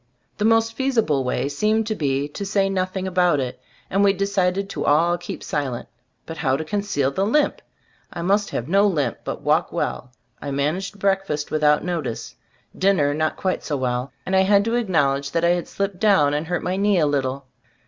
The most feasible way seemed to be to say nothing about it, and we de cided to all keep silent; but how to conceal the limp? I must have no limp, but walk well. I managed breakfast without notice. Dinner not quite so well, and I had to acknowl edge that I had slipped down and hurt my knee a little.